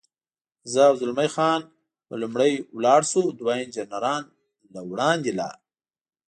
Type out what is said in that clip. زه او زلمی خان به لومړی ولاړ شو، دوه انجنیران له وړاندې لا.